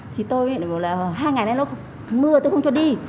thì tôi thì bảo là hai ngày nay nó mưa tôi không cho đi